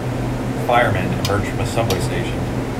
Firemen emerge from a subway station.